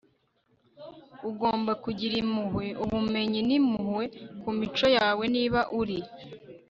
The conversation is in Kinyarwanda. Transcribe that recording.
ugomba kugira impuhwe, ubumenyi n'impuhwe ku mico yawe niba uri